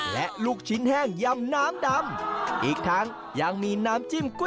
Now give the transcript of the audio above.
และลูกชิ้นแห้งยำน้ำดำ